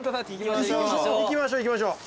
行きましょう行きましょう。